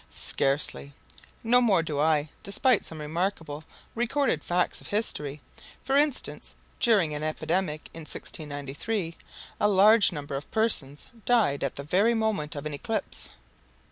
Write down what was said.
"Scarcely!" "No more do I, despite some remarkable recorded facts of history. For instance, during an epidemic in 1693, a large number of persons died at the very moment of an eclipse.